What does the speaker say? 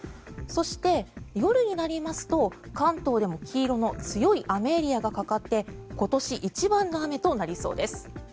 そして夜になりますと関東でも黄色の強い雨エリアがかかって今年一番の雨となりそうです。